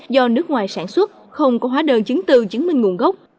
do nước ngoài sản xuất không có hóa đơn chứng từ chứng minh nguồn gốc